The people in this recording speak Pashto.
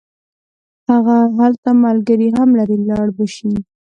هغه هلته ملګري هم لري لاړ به شي.